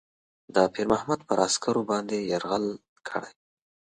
د پیرمحمد پر عسکرو باندي یرغل کړی.